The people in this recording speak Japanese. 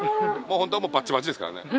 本当はもうバッチバチですからね。